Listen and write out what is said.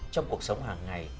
trong cuộc sống hàng ngày